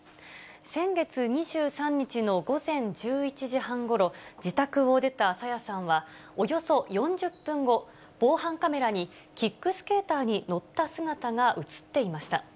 先月２３日の午前１１時半ごろ、自宅を出た朝芽さんは、およそ４０分後、防犯カメラに、キックスケーターに乗った姿が写っていました。